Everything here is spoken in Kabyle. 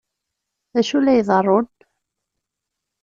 D acu la iḍerrun?